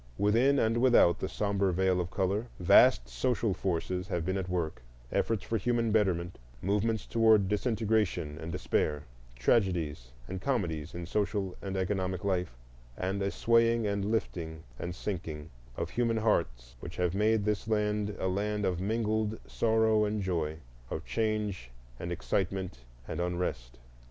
Within and without the sombre veil of color vast social forces have been at work,—efforts for human betterment, movements toward disintegration and despair, tragedies and comedies in social and economic life, and a swaying and lifting and sinking of human hearts which have made this land a land of mingled sorrow and joy, of change and excitement and unrest.